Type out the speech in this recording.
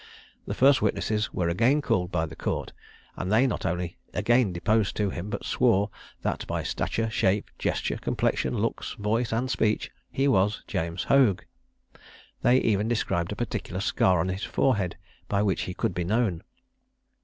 The first witnesses were again called by the Court, and they not only again deposed to him, but swore that by stature, shape, gesture, complexion, looks, voice, and speech, he was James Hoag. They even described a particular scar on his forehead, by which he could be known.